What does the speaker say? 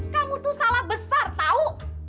kamu tuh salah besar tau